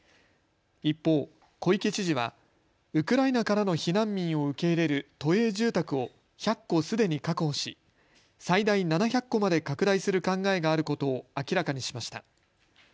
一方、小池知事はウクライナからの避難民を受け入れる都営住宅を１００戸すでに確保し最大７００戸まで拡大する考えがあることを明らかにしました。